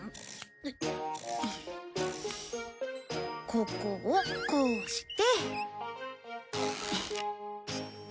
ここをこうして。